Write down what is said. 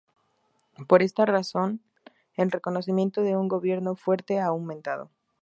Por esta razón el reconocimiento de un gobierno fuerte ha aumentado.